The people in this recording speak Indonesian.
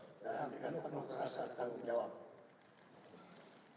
dan dengan penuh rasa tanggung jawab